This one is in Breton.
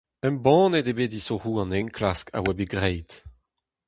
Embannet eo bet disoc'hoù an enklask a oa bet graet.